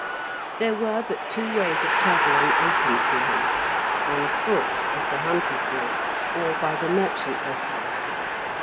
There were but two ways of travelling open to him: on foot, as the hunters did, or by the merchant vessels.